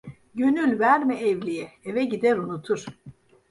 Gönül verme evliye; eve gider unutur.